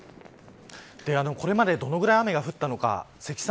これまでどのぐらい雨が降ったのか積算